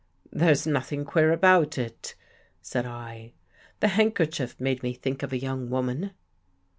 " There's nothing queer about it," said I. " The handkerchief made me think of a young woman."